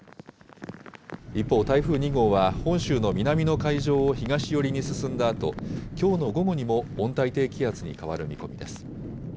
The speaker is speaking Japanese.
一方、台風２号は本州の南の海上を東寄りに進んだあと、きょうの午後にも、温帯低気圧に変わる見込みです。